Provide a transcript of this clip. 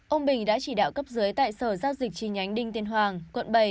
ông bình đã chỉ đạo cấp dưới tại sở giao dịch chi nhánh đinh tiên hoàng quận bảy